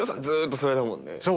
ずっとそれだもんね。